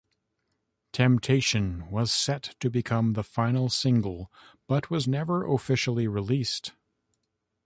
"Temptation" was set to become the final single but was never officially released.